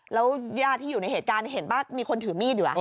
แล้วญาติที่อยู่ในเหตุการณ์เห็นป่ะมีคนถือมีดอยู่เหรอ